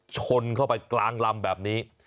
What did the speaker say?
ชนเข้าไปกลางลำแบบนี้